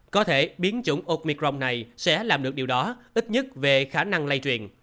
có thể biến chủng omicron này sẽ làm được điều đó ít nhất về khả năng lây truyền